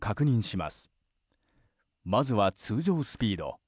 まずは通常スピード。